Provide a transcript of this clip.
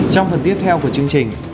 trong phần tiếp theo của chương trình